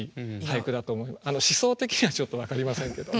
思想的にはちょっと分かりませんけど。